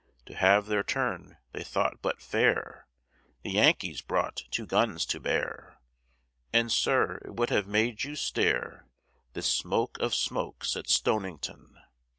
To have their turn they thought but fair; The Yankees brought two guns to bear, And, sir, it would have made you stare, This smoke of smokes at Stonington.